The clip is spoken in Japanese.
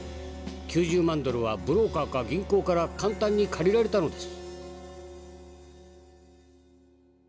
９０万ドルはブローカーか銀行から簡単に借りられたのです」。